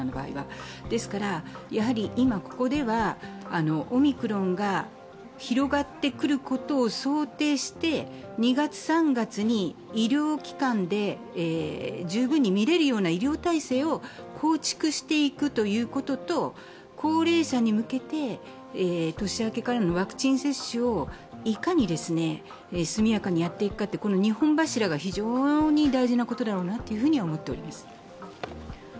ですから今、ここではオミクロンが広がってくることを想定して２月、３月に医療機関で十分に診れるような医療体制を構築していくということと高齢者に向けて、年明けからのワクチン接種をいかに速やかにやっていくかこの２本柱が非常に大事なことだろうなと思っております。